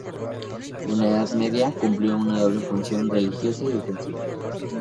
En la Edad Media, cumplió una doble función: religiosa y defensiva.